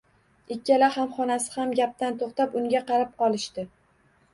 Ikkala hamxonasi ham gapdan to`xtab, unga qarab qolishdi